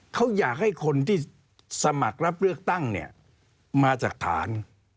เขาอยากให้คนที่สมัครรับเลือกตั้งเนี่ยมาจากฐาน